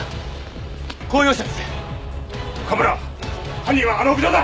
犯人はあの屋上だ！